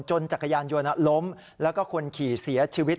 จักรยานยนต์ล้มแล้วก็คนขี่เสียชีวิต